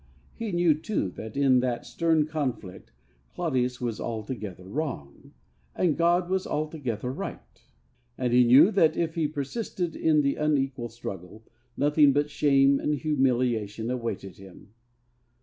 He knew, too, that in that stern conflict Claudius was altogether wrong, and God was altogether right. And he knew that, if he persisted in the unequal struggle, nothing but shame and humiliation awaited him.